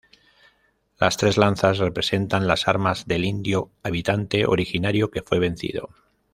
Las tres lanzas representan las armas del indio -habitante originario que fue vencido-.